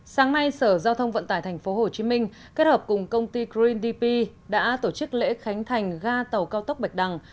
sáng nay sở giao thông vận tải tp hcm kết hợp cùng công ty greendp đã tổ chức lễ khánh thành ga tàu cao tốc bạch đằng